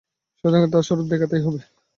শয়তানকে তার স্বরূপ দেখাতেই হবে!